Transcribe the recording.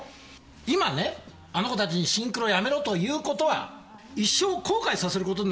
今ねあの子たちにシンクロやめろと言うことは一生後悔させることになるのよ。